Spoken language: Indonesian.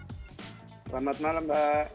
selamat malam mbak